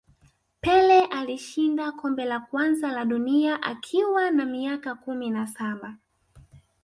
pele alishinda kombe la kwanza la dunia akiwa na miaka kumi na saba